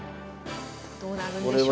どうなるんでしょうか。